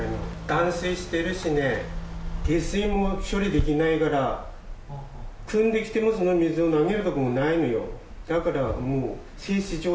断水してるしね、下水も処理できないから、くんできてもその水を投げることもないのよ。